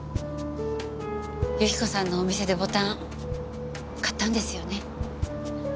由紀子さんのお店でボタン買ったんですよね？